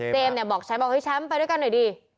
เจมส์เนี่ยบอกแชมป์ว่าเฮ้ยแชมป์ไปด้วยกันหน่อยดี